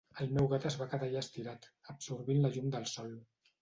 El meu gat es va quedar allà estirat, absorbint la llum del sol.